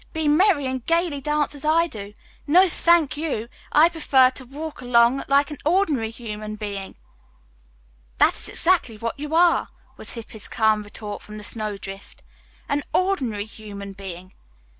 "'Be merry, and gayly dance as I do.' No, thank you. I prefer to walk along like an ordinary human being." "That is exactly what you are," was Hippy's calm retort from the snowdrift, "'an ordinary human being.'"